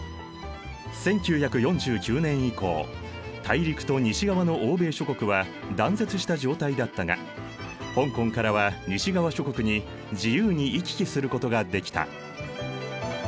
１９４９年以降大陸と西側の欧米諸国は断絶した状態だったが香港からは西側諸国に自由に行き来することができた。